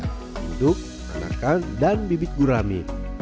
hidup manakan dan bibit gurami